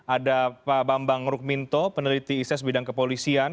ada pak bambang rukminto peneliti ises bidang kepolisian